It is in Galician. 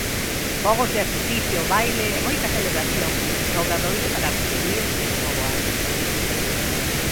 Fogos de artificio, baile e moita celebración no Obradoiro para recibir o novo ano.